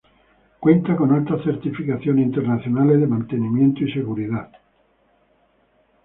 Cuentan con altas certificaciones internacionales de mantenimiento y seguridad.